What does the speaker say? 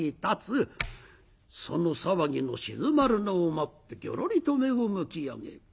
その騒ぎの鎮まるのを待ってギョロリと目をむき上げる。